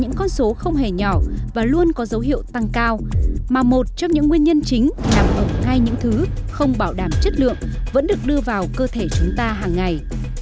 mà một trong những nguyên nhân chính nằm ở hai những thứ không bảo đảm chất lượng vẫn được đưa vào cơ thể chúng ta hàng ngày